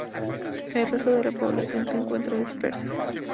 El resto de la población se encuentra dispersa.